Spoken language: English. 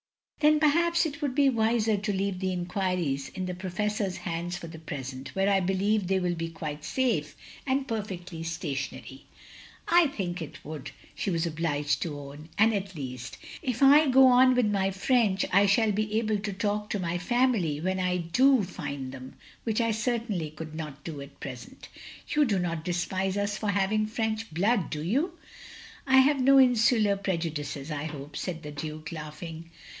" "Then perhaps it would be wiser to leave the enquiries in the Professor's hands for the present where I believe they will be quite safe, and per fectly stationary. " "I think it would," she was obliged to own, " and at least, if I go on with my French, I shall be able to talk to my family when I do find them, which I certainly could not do at present! You do not despise us for having French blood, do you?" "I have no insular prejudices, I hope," said the Duke, laughing.